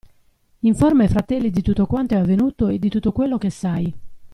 Informa i fratelli di tutto quanto è avvenuto e di tutto quello che sai.